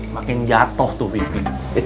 makin jatoh tuh bibi